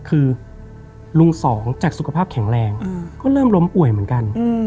คือลุงสองจากสุขภาพแข็งแรงก็เริ่มล้มป่วยเหมือนกัน